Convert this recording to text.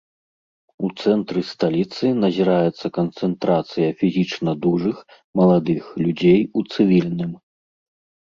У цэнтры сталіцы назіраецца канцэнтрацыя фізічна дужых маладых людзей у цывільным.